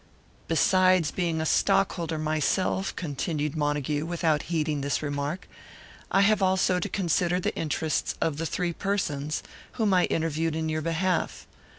"Besides being a stockholder myself," continued Montague, without heeding this remark, "I have also to consider the interests of the three persons whom I interviewed in your behalf.